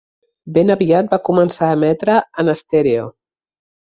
Ben aviat van començar a emetre en estèreo.